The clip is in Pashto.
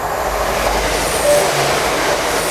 زه رنګین لکه پانوس یم زه د شمعی پیره دار یم ,